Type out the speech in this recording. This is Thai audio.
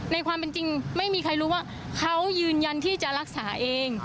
ในความเป็นจริงไม่มีใครรู้ว่าเขายืนยันที่จะรักษาเอง